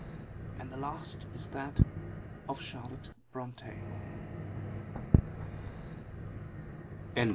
.. And the last is that of Charlotte Bronte. THE END.